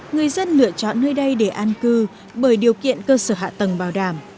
người dân lựa chọn nơi đây để an cư bởi điều kiện cơ sở hạ tầng bảo đảm